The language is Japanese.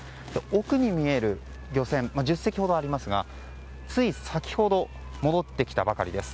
奥に見える漁船１０隻ほどありますがつい先ほど戻ってきたばかりです。